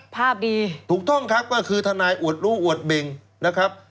ภาพดีถูกต้องครับก็คือทนายอวดรู้อวดเบ่งนะครับ